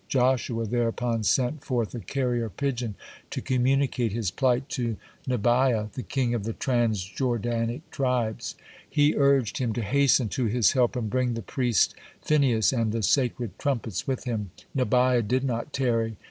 Joshua thereupon sent forth a carrier pigeon to communicate his plight to Nabiah, the king of the trans Jordanic tribes. He urged him to hasten to his help and bring the priest Phinehas and the sacred trumpets with him. Nabiah did not tarry.